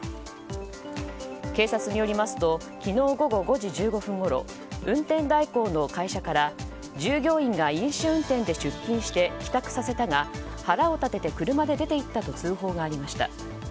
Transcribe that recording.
警察によりますと昨日午後５時１５分ごろ運転代行の会社から従業員が飲酒運転で出勤して帰宅させたが、腹を立てて車で出て行ったと通報がありました。